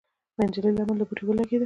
د نجلۍ لمن له بوټي ولګېده.